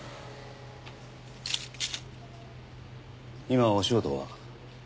今お仕事は？